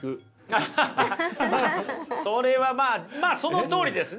アハハそれはまあそのとおりですね。